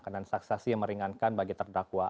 dan saksi saksi yang meringankan bagi terdakwa